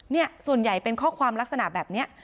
เนี่ยส่วนใหญ่เป็นข้อความลักษณะแบบนี้